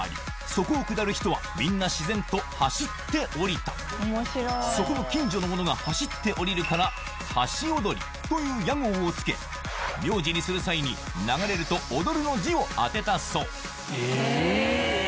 そこを下る人はみんな自然と走って下りたそこの近所の者が走って下りるから「はしおどり」という屋号を付け名字にする際にの字を当てたそうへぇ。